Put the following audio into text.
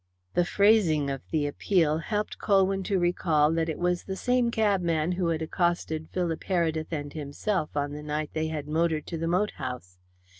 The phrasing of the appeal helped Colwyn to recall that it was the same cabman who had accosted Philip Heredith and himself on the night they had motored to the moat house.